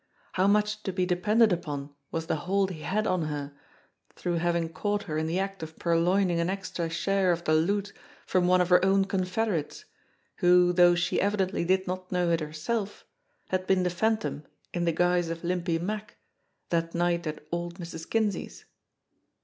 How much to be depended upon was the hold he had on her through having caught her in the act of purloining an extra share of the loot from one of her own confederates, who though she evidently did not know it herself, had been the Phantom in the guise of Limpy Mack that night at old Mrs. Kinsey's?